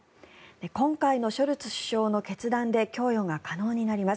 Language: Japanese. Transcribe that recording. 今回のショルツ首相の決断で供与が可能になります。